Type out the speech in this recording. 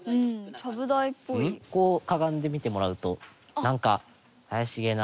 隆貴君：かがんで見てもらうとなんか、怪しげな。